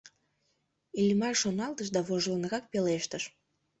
Иллимар шоналтыш да вожылынрак пелештыш: